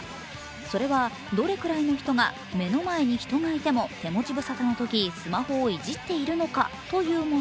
それは、どれくらいの人が目の前に人がいても手持ち無沙汰のときスマホをいじっているのかというもの。